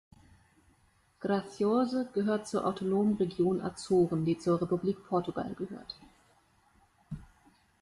Graciosa gehört zur Autonomen Region Azoren, die zur Republik Portugal gehört.